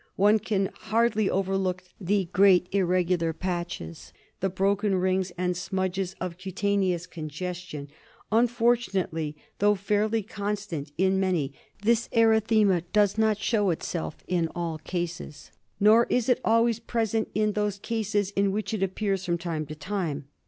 One can hardly overlook the great irregular patches, the broken rings and smudges of cutaneous congestion. Unfortunately, though fairly constant in many, this erythema does not show itself in all cases; 184 DIAGNOSIS OF TRYPANOSOMIASIS. nor is it always present in those cases in which it appears from time to time.